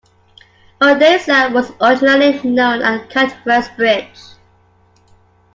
Odessa was originally known as Cantwell's Bridge.